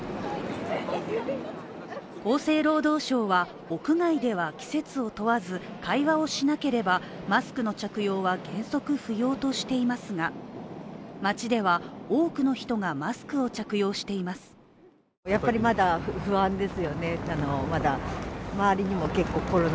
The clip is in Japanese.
厚生労働省は屋外では季節を問わず会話をしなければマスクの着用は原則不要としていますが街では、多くの人がマスクを着用しています。